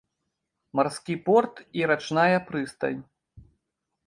Марскі порт і рачная прыстань.